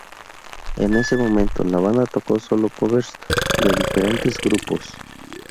En ese momento, la banda tocó sólo covers de diferentes grupos.